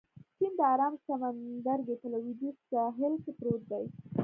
چین د ارام سمندرګي په لوېدیځ ساحل کې پروت دی.